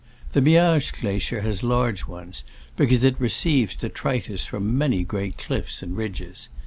The Miage glacier has large ones, because it receives detritus from many great cliffs and ridges.